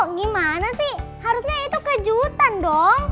gimana sih harusnya itu kejutan dong